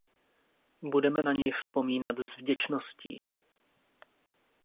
Budeme na něj vzpomínat s vděčností.